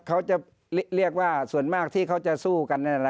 เขาจะเรียกว่าส่วนมากที่เขาจะสู้กัน